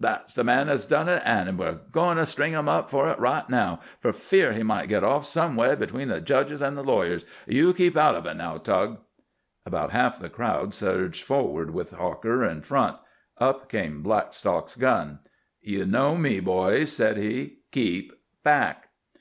"That's the man as done it, an' we're agoin' to string 'im up fer it right now, for fear he might git off some way atween the jedges an' the lawyers. You keep out of it now, Tug." About half the crowd surged forward with Hawker in front. Up came Blackstock's gun. "Ye know me, boys," said he. "Keep back."